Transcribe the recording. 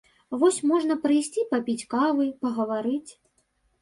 Вось можна прыйсці папіць кавы, пагаварыць.